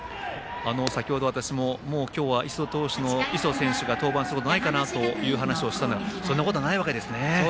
先ほど、私も今日は磯選手が登板することはないかなと述べましたがそんなことはないわけですね。